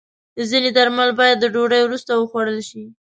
ځینې درمل باید د ډوډۍ وروسته وخوړل شي.